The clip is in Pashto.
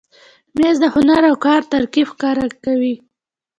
مېز د هنر او کار ترکیب ښکاروي.